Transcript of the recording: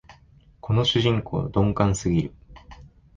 この主人公、鈍感すぎる